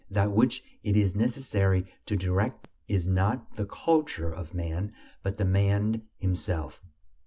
That which it is necessary to direct is not the culture of man, but the man himself.